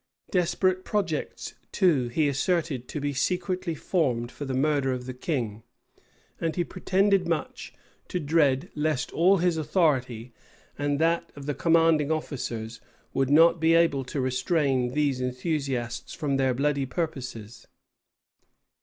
Desperate projects, too, he asserted to be secretly formed for the murder of the king; and he pretended much to dread lest all his authority, and that of the commanding officers, would not be able to restrain these enthusiasts from their bloody purposes.